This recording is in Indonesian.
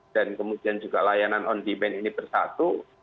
dan kemudian juga layanan on demand ini bersatu